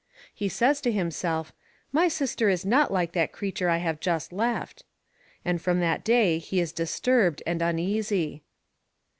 He says to himself: "My sister is not like that creature I have just left!" And from that day he is disturbed and uneasy.